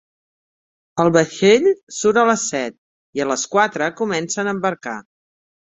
El vaixell surt a les set, i a les quatre comencen a embarcar.